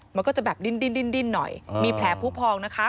มันก็จะแบบดิ้นดิ้นดิ้นหน่อยอ๋อมีแผลผู้พองนะคะ